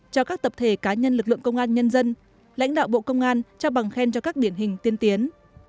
cho các tập thể cá nhân lực lượng công an nhân dân lãnh đạo bộ công an trao bằng khen cho các điển hình tiên tiến